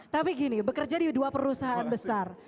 tapi gini bekerja di dua perusahaan besar